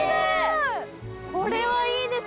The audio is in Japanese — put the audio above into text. これはいいですね。